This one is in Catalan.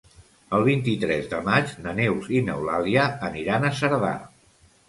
El vint-i-tres de maig na Neus i n'Eulàlia aniran a Cerdà.